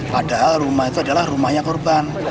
padahal rumah itu adalah rumahnya korban